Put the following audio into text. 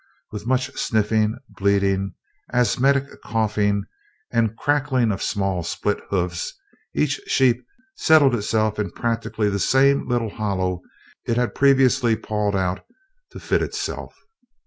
With much sniffling, bleating, asthmatic coughing and crackling of small split hoofs, each sheep settled itself in practically the same little hollow it had previously pawed out to fit itself.